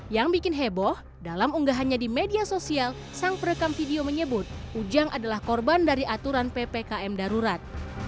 yang bikin heboh dalam unggahannya di media sosial sang perekam video menyebut ujang adalah korban dari aturan ppkm darurat